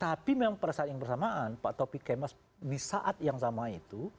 tapi memang pada saat yang bersamaan pak topi kemas di saat yang sama itu